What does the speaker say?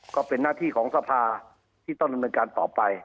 ก็เป็นหน้าที่ของสภาที่ต้องดำเนินการต่อไป